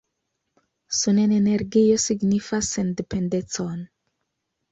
Sunenenergio signifas sendependecon!